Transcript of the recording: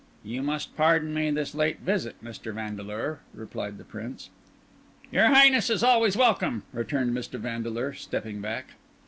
"You must pardon me this late visit, Mr. Vandeleur," replied the Prince. "Your Highness is always welcome," returned Mr. Vandeleur, stepping back.